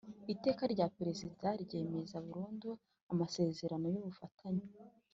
Iteka rya Perezida ryemeza burundu amasezerano y ubufatanye